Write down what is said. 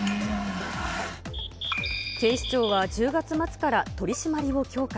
警視庁は１０月末から取締りを強化。